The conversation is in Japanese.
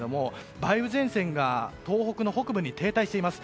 梅雨前線が東北北部に停滞しています。